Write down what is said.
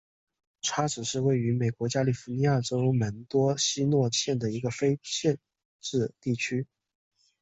叉子是位于美国加利福尼亚州门多西诺县的一个非建制地区。